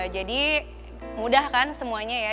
jadi mudah kan semuanya ya